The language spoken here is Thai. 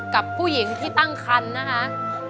กับผู้หญิงที่ตั้งคันนะคะ